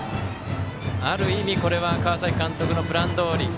ある意味、これは川崎監督のプランどおり。